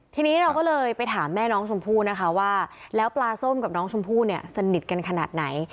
ทีนี้เราก็เลยไปถามแม่น้องชมพู่นะคะว่าแล้วปลาส้มกับน้องชมพู่เนี่ยสนิทกันขนาดไหน